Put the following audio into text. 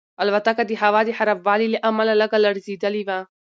الوتکه د هوا د خرابوالي له امله لږه لړزېدلې وه.